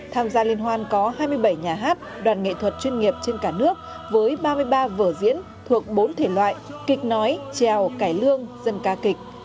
tham gia liên hoan có hai mươi bảy nhà hát đoàn nghệ thuật chuyên nghiệp trên cả nước với ba mươi ba vở diễn thuộc bốn thể loại kịch nói trèo cải lương dân ca kịch